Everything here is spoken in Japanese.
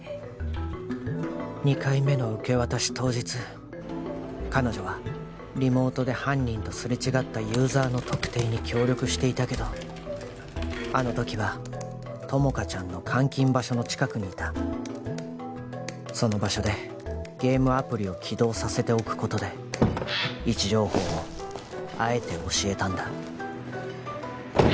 ２回目の受け渡し当日彼女はリモートで犯人とすれ違ったユーザーの特定に協力していたけどあの時は友果ちゃんの監禁場所の近くにいたその場所でゲームアプリを起動させておくことで位置情報をあえて教えたんだ